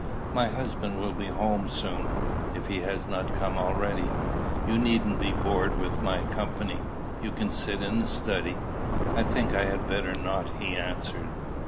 "My husband will be home soon, if he has not come already. You needn't be bored with my company you can sit in the study." "I think I had better not," he answered.